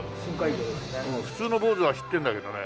普通の坊主は知ってるんだけどね。